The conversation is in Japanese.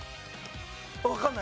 わかんない。